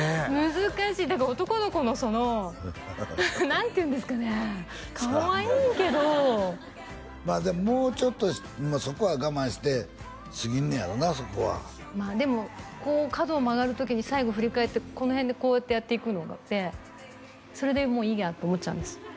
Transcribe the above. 難しい男の子のその何ていうんですかねかわいいけどまあでももうちょっとそこは我慢して過ぎんねやろなそこはでも角を曲がる時に最後振り返ってこの辺でこうやってやって行くのがあってそれでもういいやって思っちゃうんですあ